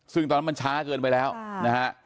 ซึ่งตอนนั้นมันช้าเกินไปแล้วนะฮะ